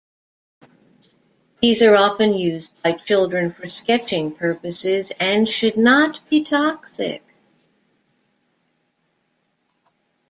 These are often used by children for sketching purposes, and should not be toxic.